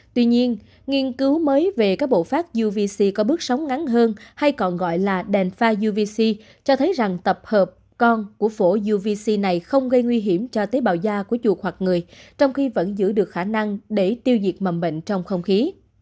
tuy nhiên nghiên cứu mới về các bộ phát uvc có bước sóng ngắn hơn hay còn gọi là đèn pha yuvic cho thấy rằng tập hợp con của phổc này không gây nguy hiểm cho tế bào da của chuột hoặc người trong khi vẫn giữ được khả năng để tiêu diệt mầm bệnh trong không khí